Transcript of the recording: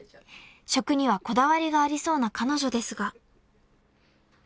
［食にはこだわりがありそうな彼女ですが］